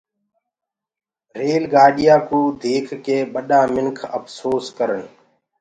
ريل گآڏيآ ڪوُ ديک ڪي ٻڏآ مِنک اڦسوس ڪرن۔